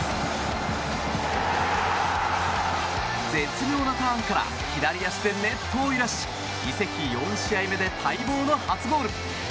絶妙なターンから左足でネットを揺らし移籍４試合目で待望の初ゴール！